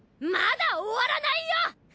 まだ終わらないよ！